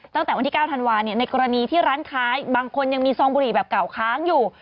ตั้งแต่วันที่๙ธันวาลในกรณีที่ร้านค้าบางคนยังมีซองบุหรี่แบบเก่าค้างอยู่